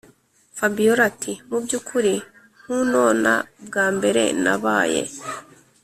fabiora ati”mubyukuri nkunona bwambere nabaye